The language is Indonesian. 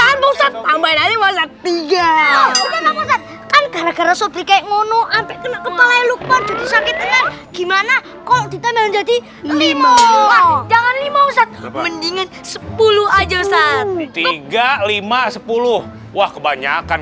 gimana kok kita menjadi limau jangan limau mendingan sepuluh aja saat tiga ribu lima ratus sepuluh wah kebanyakan